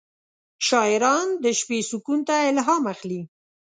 شاعران د شپې سکون ته الهام اخلي.